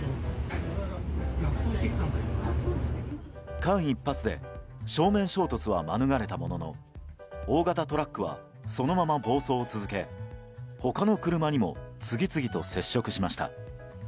間一髪で正面衝突は免れたものの大型トラックはそのまま暴走を続け他の車にも次々と接触しました。